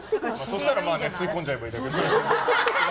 そうしたら吸い込んじゃえばいいだけ。